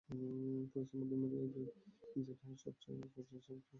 পুরুষের মধ্যে মেয়েরা যেটা সব চেয়ে খোঁজে আমার স্বভাবে হয়তো সেই জোর নেই।